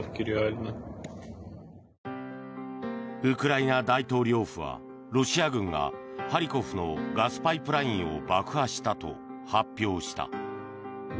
ウクライナ大統領府はロシア軍がハリコフのガスパイプラインを爆破したと発表した。